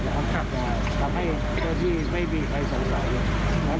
อันนี้สามารถแปลงตัวคล้ายจากเจ้าหน้าที่จะคับได้ทำให้เจ้าหน้าที่ไม่มีใครสงสัย